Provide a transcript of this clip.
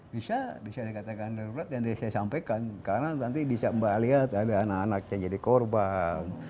bisa bisa dikatakan darurat yang saya sampaikan karena nanti bisa mbak lihat ada anak anak yang jadi korban